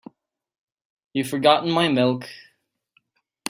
You've forgotten my milk.